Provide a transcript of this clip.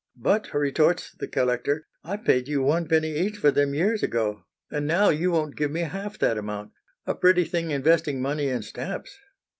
"But," retorts the collector, "I paid you one penny each for them years ago, and now you won't give me half that amount. A pretty thing investing money in stamps!"